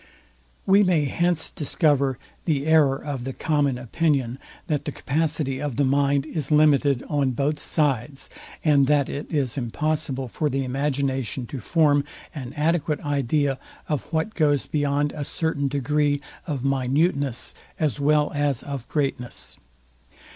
We may hence discover the error of the common opinion, that the capacity of the mind is limited on both sides, and that it is impossible for the imagination to form an adequate idea, of what goes beyond a certain degree of minuteness as well as of greatness.